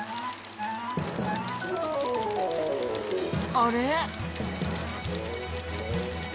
あれ？